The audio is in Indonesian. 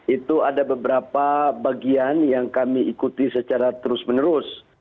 itu ada beberapa bagian yang kami ikuti secara terus menerus